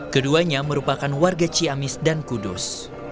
keduanya merupakan warga ciamis dan kudus